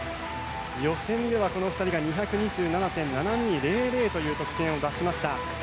予選ではこの２人が２２７．７２００という得点を出しました。